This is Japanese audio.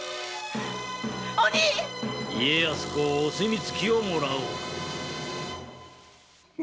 鬼‼家康公お墨付きをもらおうか。